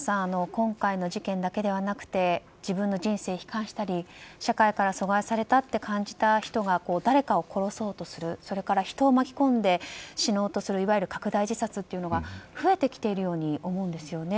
今回の事件だけではなくて自分の人生を悲観したり社会から疎外されたと感じた人が誰かを殺そうとする人を巻き込んで死のうとするいわゆる拡大自殺が増えてきているように思うんですよね。